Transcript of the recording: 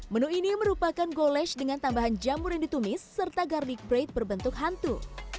menu ini merupakan goles dengan tambahan jamur yang ditumis serta garnic bread berbentuk hantu